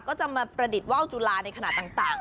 ก็จะมาประดิษฐ์ว่าวจุลาในขณะต่าง